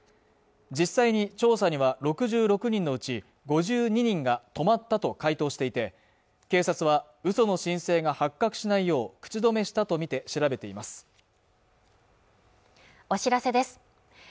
実際に調査には６６人のうち５２人が泊まったと回答していて警察は嘘の申請が発覚しないよう口止めしたとみて調べていますお知らせです